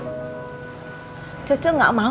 cucu gak mau nih ngeliat kamu begini nih